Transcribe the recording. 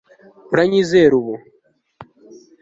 uranyizera ubu